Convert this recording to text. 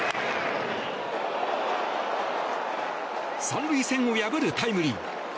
３塁線を破るタイムリー。